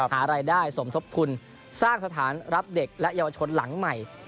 หารายได้สมทบทุนสร้างสถานรับเด็กและเยาวชนหลังใหม่